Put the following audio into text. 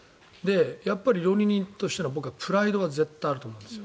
やっぱり料理人としてのプライドが絶対あると僕は思うんですよ。